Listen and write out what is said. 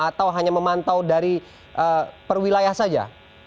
atau hanya memantau dari perwilayah saja